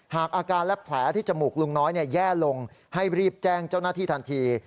อาการและแผลที่จมูกลุงน้อยแย่ลงให้รีบแจ้งเจ้าหน้าที่ทันที